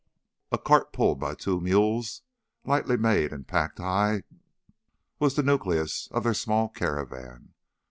A cart pulled by two mules, lightly made and packed high, was the nucleus of their small caravan.